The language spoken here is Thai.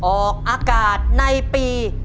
ออกอากาศในปี